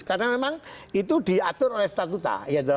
karena memang itu diatur oleh statuta